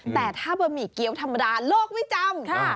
แต่ถ้าบะหมี่เกี้ยวธรรมดาโลกไม่จำ